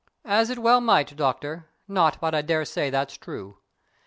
"As it well might, Doctor, not but I daresay that's true.